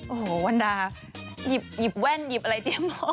โหวานดาหยิบแว่นหยิบอะไรเตรียม